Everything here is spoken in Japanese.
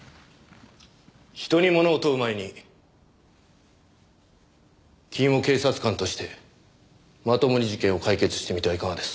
人にものを問う前に君も警察官としてまともに事件を解決してみてはいかがです？